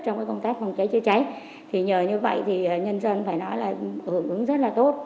trong công tác phòng cháy chữa cháy thì nhờ như vậy thì nhân dân phải nói là hưởng ứng rất là tốt